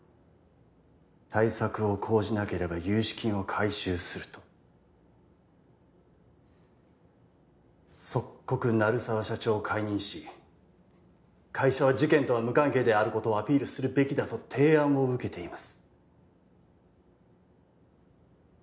対策を講じなければ融資金を回収すると即刻鳴沢社長を解任し会社は事件とは無関係であることをアピールするべきだと提案を受けています